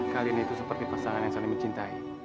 kalian itu seperti pasangan yang saling mencintai